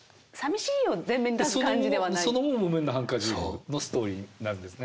その後「木綿のハンカチーフ」のストーリーになるんですね。